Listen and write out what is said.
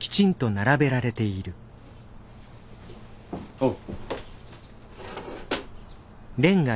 おう。